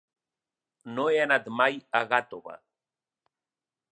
No he anat mai a Gàtova.